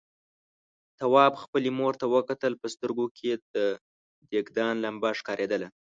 تواب خپلې مور ته وکتل، په سترګوکې يې د دېګدان لمبه ښکارېدله.